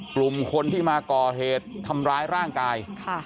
กลุ่มคนที่มาก่อเหตุทำร้ายร่างกาย